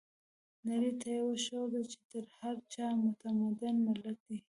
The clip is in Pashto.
نړۍ ته يې وښوده چې تر هر چا متمدن ملت دی.